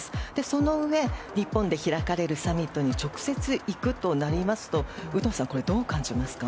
そのうえ、日本で開かれるサミットに直接行くとなりますと有働さん、これどう感じますか？